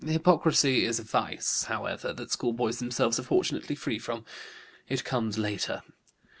Hypocrisy is a vice, however, that schoolboys themselves are fortunately free from. It comes later.